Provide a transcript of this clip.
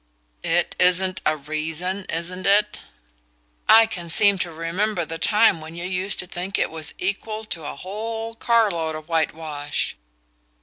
"It isn't a reason, isn't it? I can seem to remember the time when you used to think it was equal to a whole carload of whitewash."